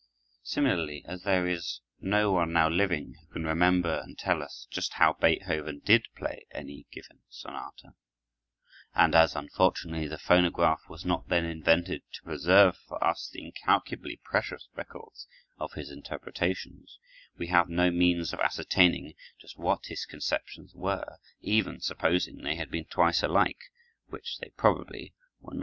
Similarly, as there is no one now living who can remember and tell us just how Beethoven did play any given sonata, and as, unfortunately, the phonograph was not then invented to preserve for us the incalculably precious records of his interpretations, we have no means of ascertaining just what his conceptions were, even supposing they had been twice alike, which they probably were not.